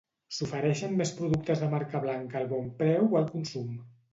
S'ofereixen més productes de marca blanca al Bonpreu o al Consum?